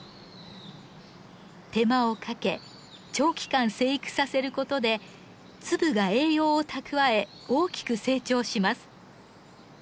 手間をかけ長期間生育させることで粒が栄養を蓄え大きく成長します。